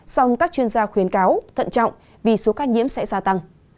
song các chuyên gia khuyến cáo thận trọng vì số ca nhiễm sẽ gia tăng